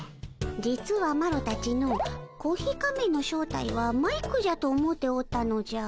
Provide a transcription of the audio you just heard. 実はマロたちのうコーヒー仮面の正体はマイクじゃと思うておったのじゃ。